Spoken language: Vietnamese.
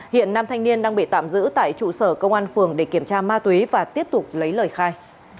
hiện nam thanh niên đang bị tạm giữ tại trụ sở công an phường để kiểm tra ma túy và tiếp tục lấy lời khai